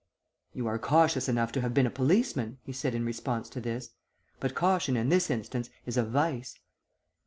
"'You are cautious enough to have been a policeman,' he said in response to this. 'But caution in this instance is a vice.'